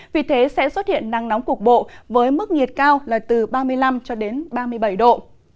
vì thế sẽ xuất hiện nắng nóng cục bộ với mức nhiệt cao là từ ba mươi năm cho đến ba mươi bảy độ